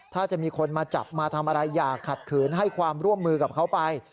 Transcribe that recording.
ถ้าจะมีคนมาจับมาทำอะไรอย่าขัดขืนให้ความร่วมมือกับเขาไป